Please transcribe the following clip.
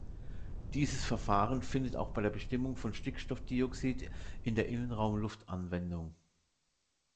Dieses Verfahren findet auch bei der Bestimmung von Stickstoffdioxid in der Innenraumluft Anwendung.